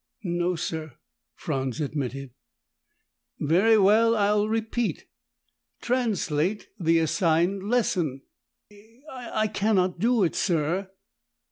"No, sir," Franz admitted. "Very well, I'll repeat. Translate the assigned lesson." "I I cannot do it, sir."